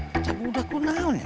percabung udah kunalnya